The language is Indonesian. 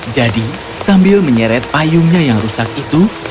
jadi sambil menyeret payungnya yang rusak itu